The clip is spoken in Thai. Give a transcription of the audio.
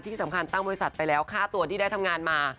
ที่สำคัญตั้งบริษัทไปแล้วค่าตัวที่ได้ทำงานมา